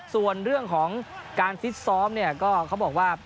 ส่วนเรื่องของการฟิตซ้อมเนี่ยก็เขาบอกว่า